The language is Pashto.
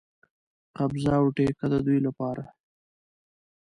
قبضه او ټیکه د دوی لپاره.